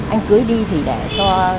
anh cưới đi thì để cho